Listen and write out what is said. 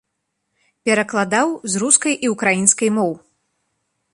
Перакладаў з рускай і ўкраінскай моў.